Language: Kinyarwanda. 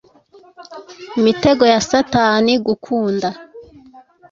Imitego ya satani gukunda